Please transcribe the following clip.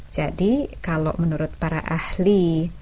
jadi kalau menurut para ahli